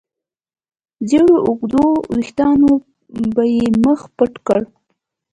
زېړو اوږدو وېښتانو به يې مخ پټ کړ.